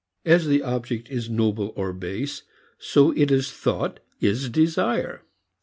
As the object is noble or base, so, it is thought, is desire.